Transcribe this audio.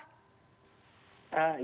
ya tentunya kita juga melihat